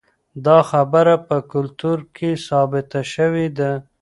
دا خبره په کلتور کې ثابته شوې ده.